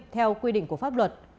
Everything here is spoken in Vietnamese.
theo quy định của pháp luật